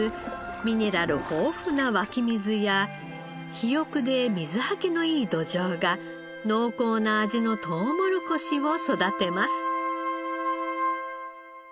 ミネラル豊富な湧き水や肥沃で水はけのいい土壌が濃厚な味のとうもろこしを育てます。